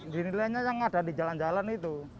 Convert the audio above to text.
dinilainya yang ada di jalan jalan itu